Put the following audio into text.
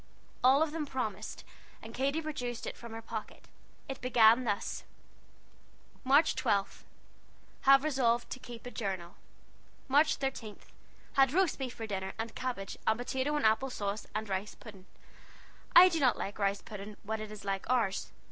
All of them promised, and Katy produced it from her pocket. It began thus: "March 12. Have resolved to keep a jurnal. March 13. Had rost befe for diner, and cabage, and potato and appel sawse, and rice puding. I do not like rice puding when it is like ours.